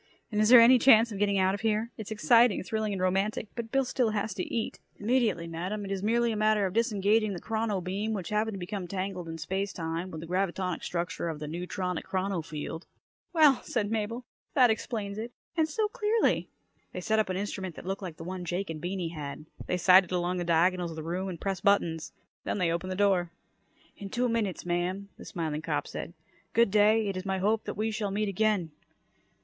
"And is there any chance of getting out of here? It's exciting, thrilling, and romantic, but Bill still has to eat." "Immediately, Madam! It is merely a matter of disengaging the chrono beam, which happened to become tangled, in space time, with the gravitonic structure of the neutronic chrono field." "Well!" said Mabel. "That explains it! And so clearly!" They set up an instrument that looked like the one Jake and Beany had. They sighted along the diagonals of the room and pressed buttons. Then they opened the door. "In two minutes, ma'am," the smiling cop said. "Good day. It is my hope that we shall meet again."